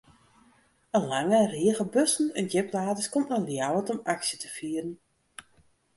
In lange rige bussen en djipladers komt nei Ljouwert om aksje te fieren.